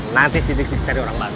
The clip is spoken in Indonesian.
nanti si dik dik cari orang baru